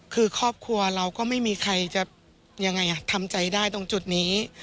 คือครอบครัวเราก็ไม่มีใครจะยังไงทำใจได้ตรงจุดนี้